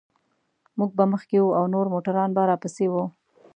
موږ به مخکې وو او نور موټران به راپسې و.